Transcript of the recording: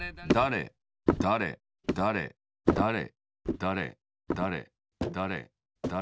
だれだれだれだれ